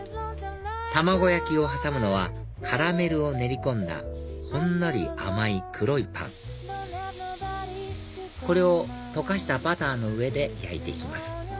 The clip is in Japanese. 卵焼きを挟むのはカラメルを練り込んだほんのり甘い黒いパンこれを溶かしたバターの上で焼いていきます